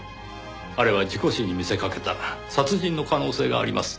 あれは事故死に見せかけた殺人の可能性があります。